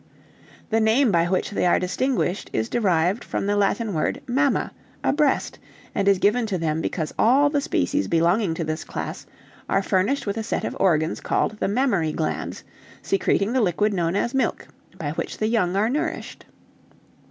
"The name by which they are distinguished is derived from the Latin word 'mamma,' a breast, and is given to them because all the species belonging to this class are furnished with a set of organs called the mammary glands, secreting the liquid known as milk, by which the young are nourished.